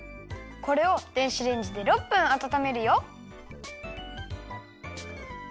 これを電子レンジで６分あたためるよ。